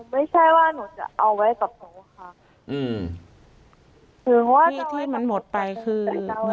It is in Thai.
ไม่ใช่ว่าหนูจะเอาไว้กับหนูค่ะ